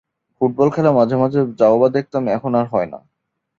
Football খেলা মাঝে মাঝে যাও বা দেখতাম এখন আর হয়না।